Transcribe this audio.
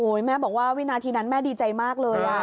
แม่บอกว่าวินาทีนั้นแม่ดีใจมากเลย